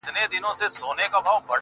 o قربانو مخه دي ښه.